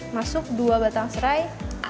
masuk dua batang serai